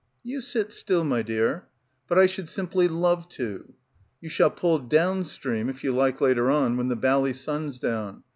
"You sit still, my dear." "But I should simply love to." "You shall pull down stream if you like later on when the bally sun's down.